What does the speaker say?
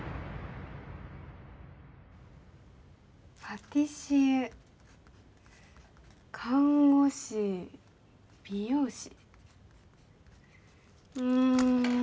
パティシエ看護師美容師うん